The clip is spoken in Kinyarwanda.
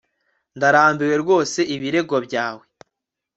Ndarambiwe rwose ibirego byawe